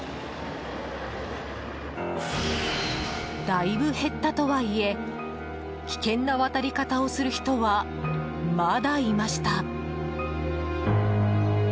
だいぶ減ったとはいえ危険な渡り方をする人はまだいました。